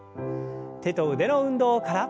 手と腕の運動から。